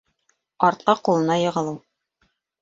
Артҡа ҡулына йығылыу